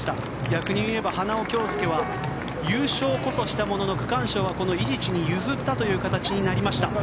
逆に言えば花尾恭輔は優勝こそしたものの区間賞はこの伊地知に譲った形になりました。